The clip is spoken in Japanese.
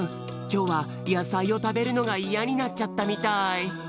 きょうはやさいをたべるのがイヤになっちゃったみたい。